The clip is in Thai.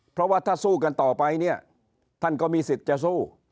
เพราะว่าถ้าสู้กันต่อไปเนี่ยท่านก็มีสิทธิ์จะสู้